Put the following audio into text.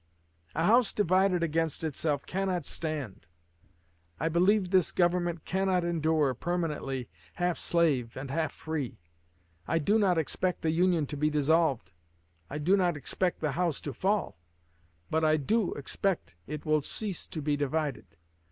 'A house divided against itself cannot stand.' I believe this Government cannot endure, permanently, half slave and half free. I do not expect the Union to be dissolved I do not expect the house to fall but I do expect it will cease to be divided.